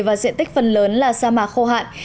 và diện tích phần lớn là sa mạc khô hạn